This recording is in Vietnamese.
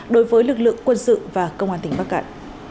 đối với lực lượng quân sự và công an tỉnh bắc cạn